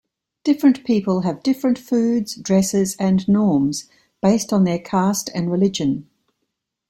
Different people have different foods, dresses and norms based on their caste and religion.